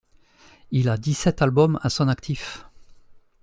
Il a dix-sept albums à son actif.